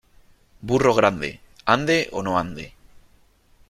Burro grande, ande o no ande.